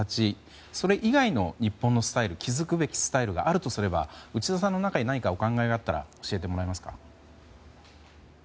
それ以外の日本の築くべきスタイルがあるとすれば内田さんの中にお考えがあれば教えていただけますか。